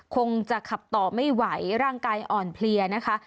คงจะขับต่อไม่ไหวร่างกายอ่อนเพลียนะคะ